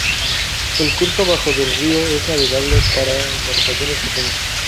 El curso bajo del río es navegable para embarcaciones pequeñas.